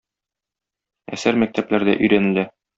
Әсәр мәктәпләрдә өйрәнелә.